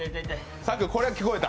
これは聞こえた？